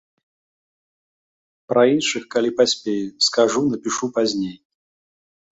Пра іншых, калі паспею, скажу, напішу пазней.